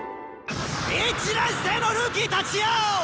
１年生のルーキーたちよ！